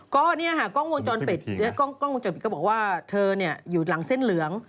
ก็นี่ฮะกล้องวงจรเป็ดก็บอกว่าเธออยู่หลังเส้นเหลือง